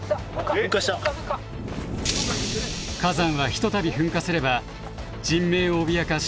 火山はひとたび噴火すれば人命を脅かし